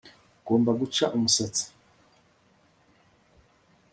ugomba guca umusatsi